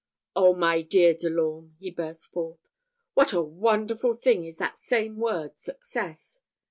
Oh, my dear De l'Orme," he burst forth, "what a wonderful thing is that same word success!